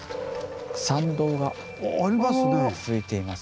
参道が続いていますけども。